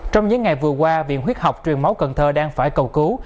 trong những ngày vừa qua viện huyết học truyền máu cần thơ đang phải cầu cứu